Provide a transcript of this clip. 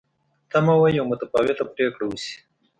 تمه وه یوه متفاوته پرېکړه وشي.